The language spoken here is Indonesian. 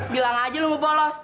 bilang aja lo mau bolos